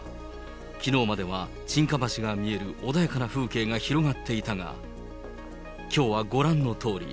きのうまではちんか橋が見える穏やかな風景が広がっていたが、きょうはご覧のとおり。